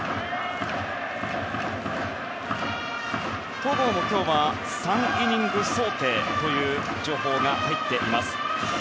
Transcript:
戸郷も今日は３イニング想定という情報が入っています。